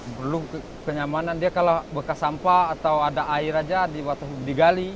belum kenyamanan dia kalau bekas sampah atau ada air aja di waktu digali